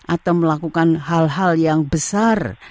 atau melakukan hal hal yang besar